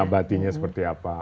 nah batinya seperti apa